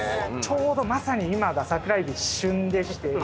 ちょうどまさに今が桜えび旬でして。